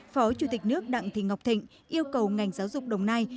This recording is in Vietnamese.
phó chủ tịch nước đặng thị ngọc thịnh yêu cầu ngành giáo dục đồng nai